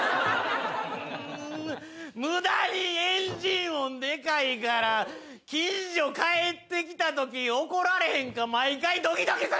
うん無駄にエンジン音でかいから近所帰ってきた時怒られへんか毎回ドキドキする！